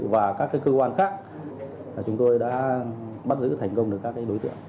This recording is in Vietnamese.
và các cơ quan khác chúng tôi đã bắt giữ thành công được các đối tượng